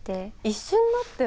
一瞬。